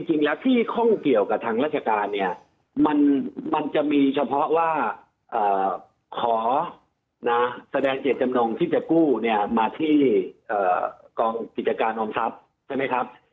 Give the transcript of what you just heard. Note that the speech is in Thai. จริงแล้วที่ข้องเกี่ยวกับทางราชการเนี่ยมันจะมีเฉพาะว่าขอแสดงเจตจำนงที่จะกู้เนี่ยมาที่กองกิจการออมทรัพย์ใช่ไหมครับ